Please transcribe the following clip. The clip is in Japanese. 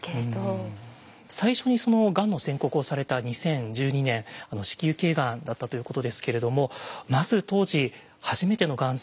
最初にそのがんの宣告をされた２０１２年子宮頸がんだったということですけれどもまず当時初めてのがん宣告